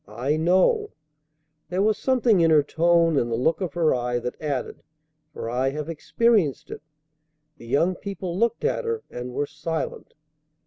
"I know." There was something in her tone and the look of her eye that added, "For I have experienced it." The young people looked at her, and were silent.